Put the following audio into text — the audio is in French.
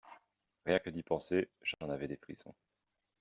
Rien que d’y penser, j'en avais des frissons.